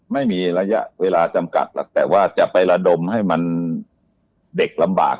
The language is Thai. ไม่มีระยะเวลาจำกัดหรอกแต่ว่าจะไประดมให้มันเด็กลำบาก